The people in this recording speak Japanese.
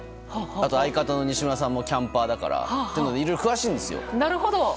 あと、相方の西村さんもキャンパーだからいろいろ詳しいんですよ。